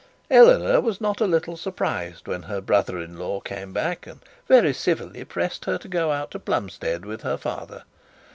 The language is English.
Eleanor was not a little surprised when her brother in law came back and very civilly pressed her to go out to Plumstead with her father.